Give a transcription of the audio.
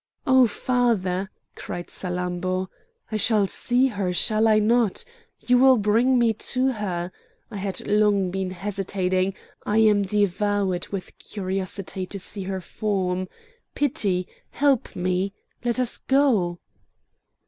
"O father!" cried Salammbô, "I shall see her, shall I not? you will bring me to her! I had long been hesitating; I am devoured with curiosity to see her form. Pity! help me! let us go?"